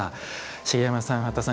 茂山さん八田さん